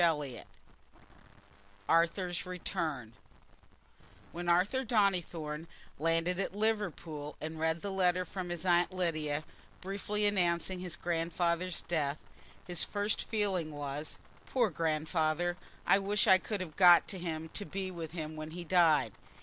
Chapter XLIV Arthur's Return When Arthur Donnithorne landed at Liverpool and read the letter from his Aunt Lydia, briefly announcing his grand father's death, his first feeling was, "Poor Grandfather! I wish I could have got to him to be with him when he died.